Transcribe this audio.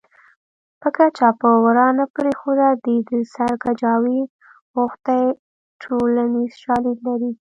پکه چا په ورا نه پرېښوده دې د سر کجاوې غوښتې ټولنیز شالید لري